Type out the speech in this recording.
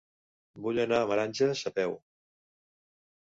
Vull anar a Meranges a peu.